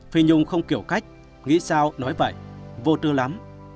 phi nhung không kiểu cách nghĩ sao nói vậy vô tư lắm